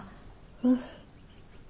うん。